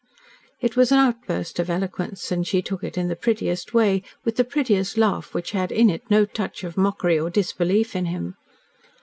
It was an outburst of eloquence, and she took it in the prettiest way with the prettiest laugh, which had in it no touch of mockery or disbelief in him.